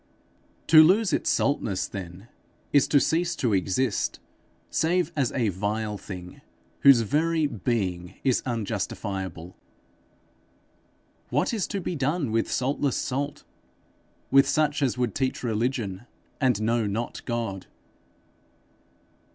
To lose its saltness, then, is to cease to exist, save as a vile thing whose very being is unjustifiable. What is to be done with saltless salt! with such as would teach religion, and know not God!